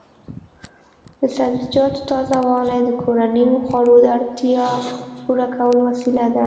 د سبزیجاتو تازه والي د کورنیو خوړو د اړتیا پوره کولو وسیله ده.